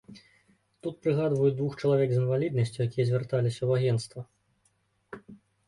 Тут прыгадваюць двух чалавек з інваліднасцю, якія звярталіся ў агенцтва.